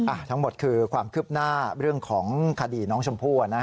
ทั้งหมดคือความคืบหน้าเรื่องของคดีน้องชมพู่